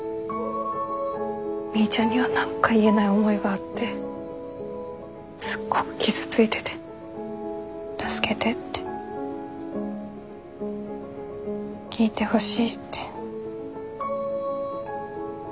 みーちゃんには何か言えない思いがあってすっごく傷ついてて助けてって聞いてほしいって言ってたんじゃないかと思う。